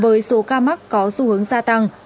với số ca mắc có xu hướng gia tăng